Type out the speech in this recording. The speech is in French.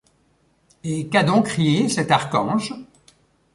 Et qu’a donc crié cet archange?